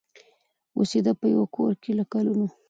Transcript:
اوسېده په یوه کورکي له کلونو